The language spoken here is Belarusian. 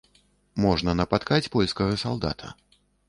Можна напаткаць польскага салдата.